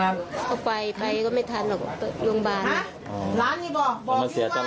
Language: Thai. เอาไปไปก็ไม่ทันหรอกโรงพยาบาล